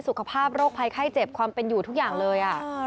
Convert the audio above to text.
สุขภาพโรคภัยไข้เจ็บความเป็นอยู่ทุกอย่างเลย